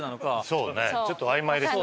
そうねちょっと曖昧ですね。